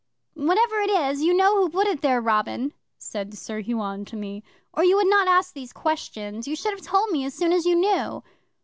'"Whatever it is, you know who put it there, Robin," said Sir Huon to me, "or you would not ask those questions. You should have told me as soon as you knew."